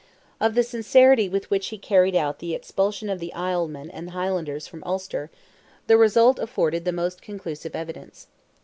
Of the sincerity with which he carried out the expulsion of the Islesmen and Highlanders from Ulster, the result afforded the most conclusive evidence.